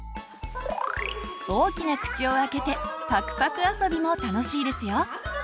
大きな口を開けてパクパクあそびも楽しいですよ。